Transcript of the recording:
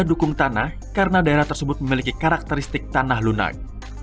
dukung tanah karena daerah tersebut memiliki karakteristik tanah lunak